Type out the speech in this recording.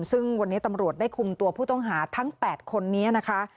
ซึ่งวันนี้ตำรวจได้คุมตัวผู้ต้องหาทั้ง๘คนนี้นะคะ